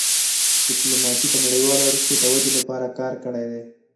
ډيپلوماسي د نړیوالو اړیکو د ودې لپاره کار کړی دی.